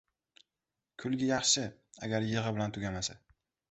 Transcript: • Kulgi ― yaxshi, agar yig‘i bilan tugamasa.